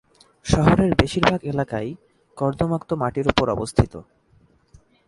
শহরের বেশির ভাগ এলাকাই কর্দমাক্ত মাটির ওপর অবস্থিত।